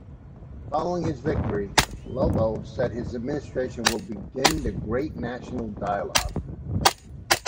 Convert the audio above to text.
Following his victory, Lobo said his administration will "begin the great national dialogue".